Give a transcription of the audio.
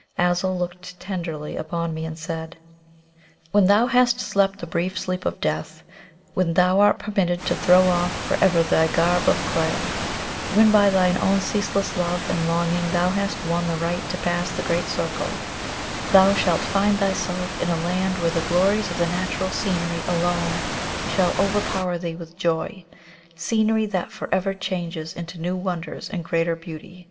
Azul looked tenderly upon me and said: "When thou hast slept the brief sleep of death, when thou art permitted to throw off for ever thy garb of clay, and when by thine own ceaseless love and longing thou hast won the right to pass the Great Circle, thou shalt find thyself in a land where the glories of the natural scenery alone shall overpower thee with joy scenery that for ever changes into new wonders and greater beauty.